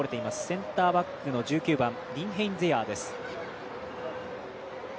センターバックの１９番リンヘインゼヤーです。